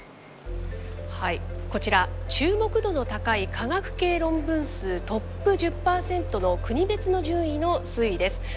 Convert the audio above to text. こちら注目度の高い科学系論文数トップ１０％の国別の順位の推移です。